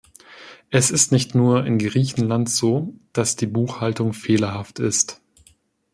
Es ist nicht nur in Griechenland so, dass die Buchhaltung fehlerhaft ist.